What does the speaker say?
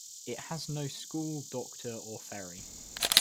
It has no school, doctor, or ferry.